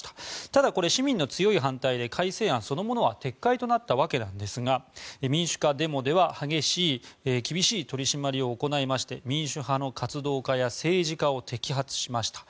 ただ市民の強い反対で改正案そのものは撤回となったわけなんですが民主化デモでは厳しい取り締まりを行いまして民主派の活動家や政治家を摘発しました。